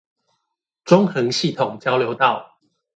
中橫系統交流道